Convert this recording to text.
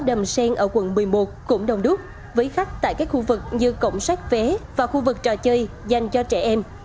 tương tự công viên văn hóa đầm sen ở quận một mươi một cũng đông đúc với khách tại các khu vực như cổng sách vé và khu vực trò chơi dành cho trẻ em